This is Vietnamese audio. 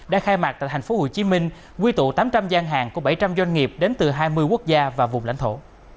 đã khai mạc tại thành phố hồ chí minh quy tụ tám trăm linh gian hàng của bảy trăm linh doanh nghiệp đến từ hai mươi quốc gia và vùng lãnh thổ